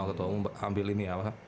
ketua umum ambil ini apa